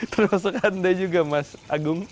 terlalu sehanda juga mas agung